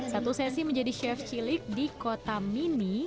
satu sesi menjadi chef cilik di kota mini